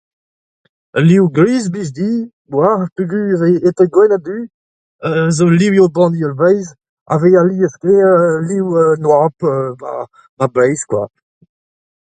Al liv gris 'blij din 'walc'h peogwir eo etre gwenn ha du a zo livioù banniel Breizh hag alies-kaer liv an oabl 'ba Breizh.